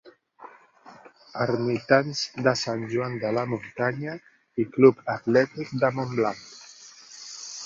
Ermitans de Sant Joan de la Muntanya i Club Atlètic de Montblanc.